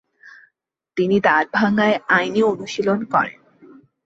তিনি দ্বারভাঙ্গায় আইনি অনুশীলন করেন।